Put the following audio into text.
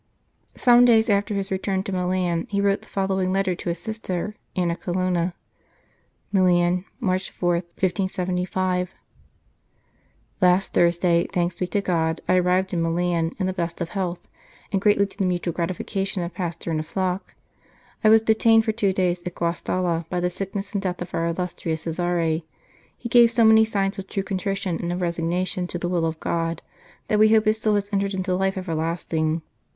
Some days after his return to Milan, he wrote the following letter to his sister, Anna Colonna : "MILAN, March 4, 1575. " Last Thursday, thanks be to God, I arrived in Milan in the best of health, and greatly to the mutual gratification of pastor and of flock. I was detained for two days at Guastalla by the sickness and death of our illustrious Cesare. He gave so many signs of true contrition and of resignation to 137 St. Charles Borromeo the will of God, that we hope his soul has entered into life everlasting.